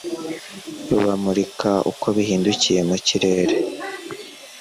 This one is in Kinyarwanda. Bamurika uko bahindukiye mu kirere